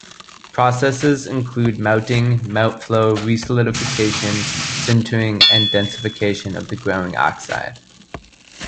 Processes include melting, melt-flow, re-solidification, sintering and densification of the growing oxide.